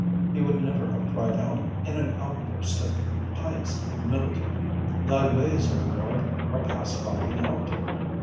He would never have cried out in an outburst of pious humility: ŌĆ£Thy ways, O Lord, are past finding out.